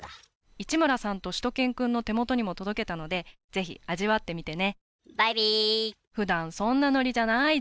市村さんとしゅと犬くんの手元にも届けたのでぜひ味わってみてね。